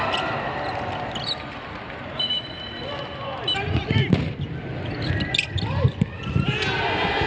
สุดท้ายสุดท้าย